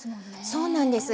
そうなんです。